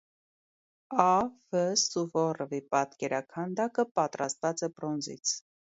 Ա. Վ. Սուվորովի պատկերաքանդակը պատրաստված է բրոնզից։